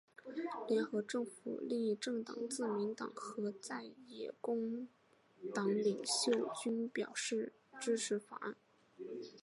联合政府另一政党自民党和在野工党领袖均表示支持法案。